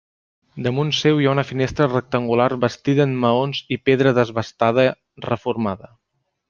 Damunt seu hi ha una finestra rectangular bastida en maons i pedra desbastada, reformada.